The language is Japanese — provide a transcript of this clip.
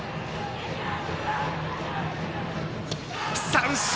三振！